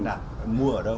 ai làm mua ở đâu